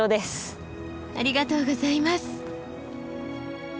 ありがとうございます！